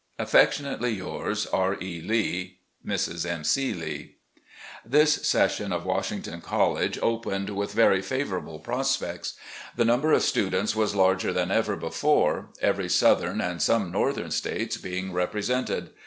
This session of Washington College opened with very favourable prospects. The number of students was larger than ever before, every southern, and some northern States being represented.